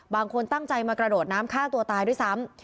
บางคนตั้งใจมากระโดดน้ำฆ่าตัวตายด้วยซ้ำ